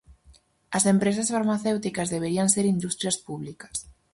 As empresas farmacéuticas deberían ser industrias públicas.